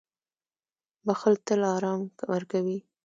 • بښل تل آرام ورکوي.